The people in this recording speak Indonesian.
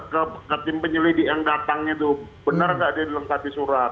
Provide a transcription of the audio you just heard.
ke tim penyelidik yang datang itu benar nggak ada lengkapi surat